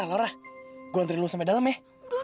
eh gue yang ngikut antri ke dalem ya